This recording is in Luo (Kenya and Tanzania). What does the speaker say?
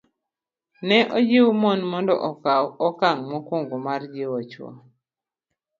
Ne ojiwo mon mondo okaw okang' mokwongo mar jiwo chwogi